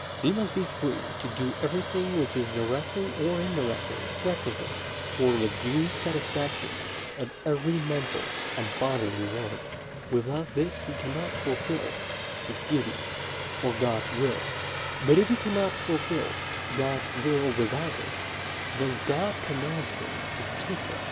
He must be free to do everything which is directly or indi rectly requisite for the due satisfaction of every mental and bodily want. Without this he cannot fulfil his duty or God's will. But if he cannot fulfil God's will without it, then God commands him to take it.